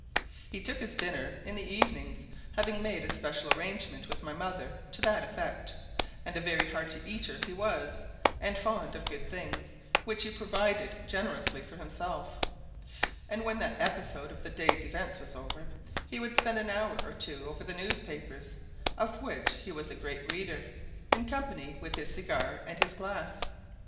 He took his dinner in the evenings, having made a special arrangement with my mother to that effect, and a very hearty eater he was, and fond of good things, which he provided generously for himself; and when that episode of the day's events was over, he would spend an hour or two over the newspapers, of which he was a great reader, in company with his cigar and his glass.